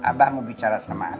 abah mau bicara sama anak